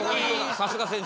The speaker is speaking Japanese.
さすが先生。